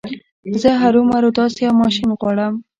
زه هرو مرو داسې يو ماشين غواړم.